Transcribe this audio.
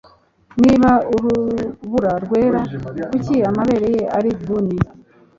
niba urubura rwera, kuki amabere ye ari dun